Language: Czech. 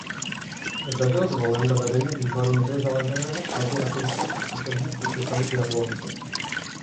Zde byl zvolen do vedení výboru nově založeného svazu rakouských zkušebních učitelů v Jablonci.